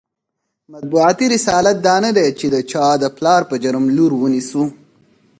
مطبوعاتي رسالت دا نه دی چې د چا د پلار په جرم لور ونیسو.